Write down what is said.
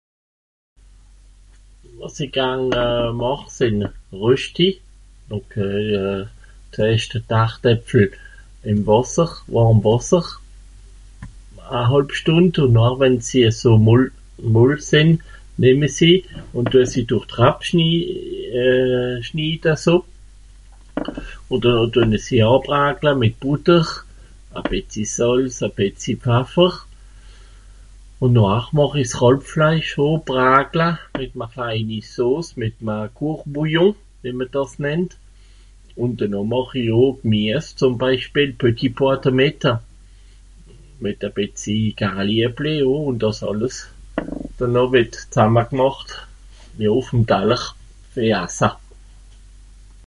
Wàs i garn euh... màch sìnn Rüschti. Donc euh... zeerscht d'Hartépfel ìm Wàsser, wàrm Wàsser. A hàlb Stùnd ùn nochhar wenn sie aso mol... mol sìnn nemme sie ùn düe sie (...) schida so. Ùn düe... düe sie au àbratna mìt Bùtter. A betzi Sàlz a betzi Pfaffer. Ùn nohhar màch i s Chàlbfleisch oo Bratla mìt'ma Kleini Sos mìt'ma Kochbouillon, wie mr dàs nennt. Ùn denoh màch i oo Gmies, zùm Beispiel, petits pois demìt. Mìt e bìtzi (...) ù dàs àlles (...) zammagmàcht. Jo ùff'm Taller, fer assa.